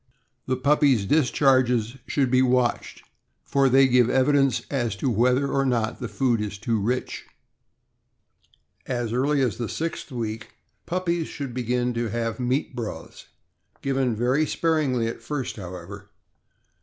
The puppies' discharges should be watched, for they give evidence as to whether or not the food is too rich. As early as the sixth week, puppies should begin to have meat broths, given very sparingly at first, however.